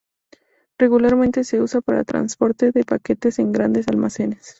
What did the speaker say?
Regularmente se usan para transporte de paquetes en grandes almacenes.